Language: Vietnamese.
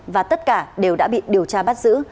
và tất cả đều đã bị điều tra bắt giữ